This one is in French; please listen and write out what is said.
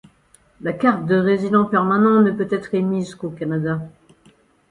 La carte de résident permanent ne peut être émise qu’au Canada.